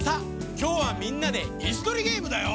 きょうはみんなでいすとりゲームだよ。